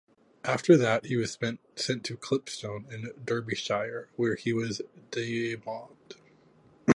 After that he was sent to Clipstone in Derbyshire, where he was demobbed.